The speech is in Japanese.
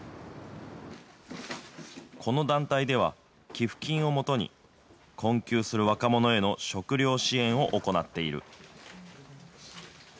この団体では、寄付金をもとに、困窮する若者への食料支援を行っている。